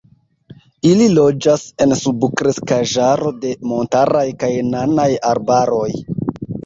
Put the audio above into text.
Ili loĝas en subkreskaĵaro de montaraj kaj nanaj arbaroj.